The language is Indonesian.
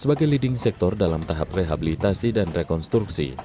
sebagai leading sector dalam tahap rehabilitasi dan rekonstruksi